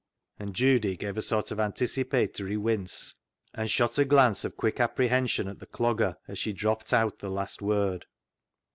And Judy gave a sort of anticipatory wince, and shot a glance of quick apprehension at the Clogger, as she dropped out the last word.